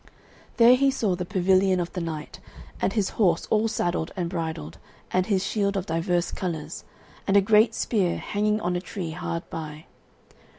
There he saw the pavilion of the knight, and his horse all saddled and bridled, and his shield of divers colours, and a great spear hanging on a tree hard by.